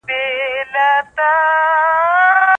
موږ باید د انټرنیټ له لارې د سولې پیغام خپور کړو.